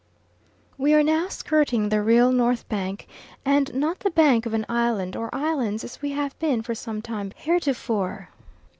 We are now skirting the real north bank, and not the bank of an island or islands as we have been for some time heretofore.